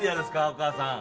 お母さん。